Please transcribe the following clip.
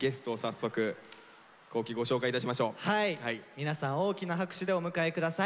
皆さん大きな拍手でお迎えください。